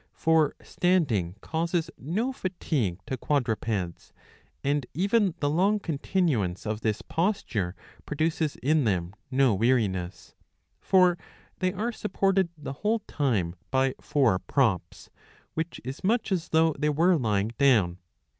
For standing causes no fatigue to quadrupeds, and even the long continuance of this posture produces in them no weariness ; for they are supported the whole time by four props, 689b. 124 iv. 10. which is much as though they were lying down.'